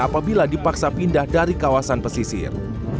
apabila dipaksa pindah dari kawasan pesisir